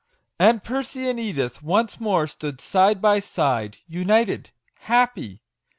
And Percy and Edith once more stood side by side, united, happy!